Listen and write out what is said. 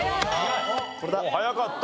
早かった。